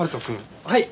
はい。